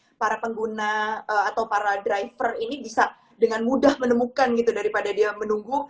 jadi kan para pengguna atau para driver ini bisa dengan mudah menemukan gitu daripada dia menunggu